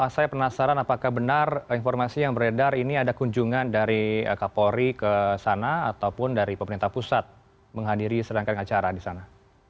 saya penasaran apakah benar informasi yang beredar ini ada kunjungan dari kapolri ke sana ataupun dari pemerintah pusat menghadiri sedangkan acara di sana